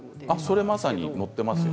それまさに載っていますよ。